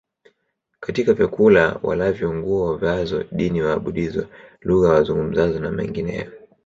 katika vyakula walavyo nguo wavaazo dini waabudizo lugha wazungumzazo na mengineyo